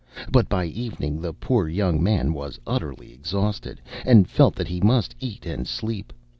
But by evening the poor young man was utterly exhausted, and felt that he must eat and sleep.